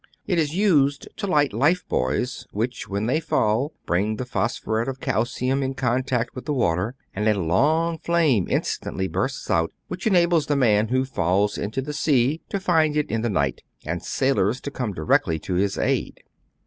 It is used to light life buoys, which, when they fall, bring the phosphuret of calcium in contact with the water ; and a long flame instantly bursts out, which enables the man who falls into the sea to find it in the night, and sailors to come directly to his aid.